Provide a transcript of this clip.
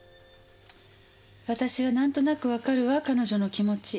私は何となくわかるわ彼女の気持ち。